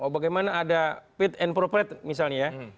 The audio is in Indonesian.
bagaimana ada fit and propert misalnya ya